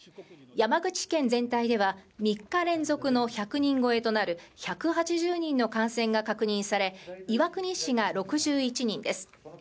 山口県全体では３日連続の１００人超えとなる１８０人の感染が確認され、岩国市が６１人です。